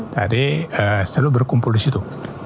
jadi selalu berkumpul di situ